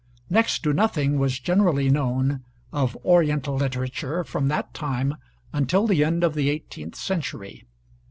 Next to nothing was generally known of Oriental literature from that time until the end of the eighteenth century.